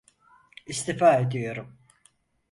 İstifa ediyorum.